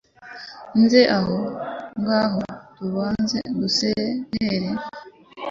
nze aho nngaho tubanze duserere